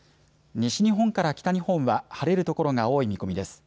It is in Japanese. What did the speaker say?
西日本から北日本は晴れる所が多い見込みです。